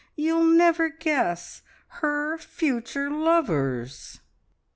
You'll never guess! Her future lovers!"